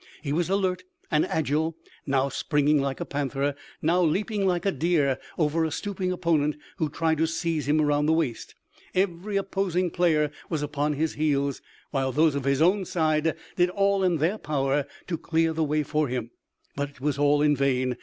He was alert and agile; now springing like a panther, now leaping like a deer over a stooping opponent who tried to seize him around the waist. Every opposing player was upon his heels, while those of his own side did all in their power to clear the way for him. But it was all in vain.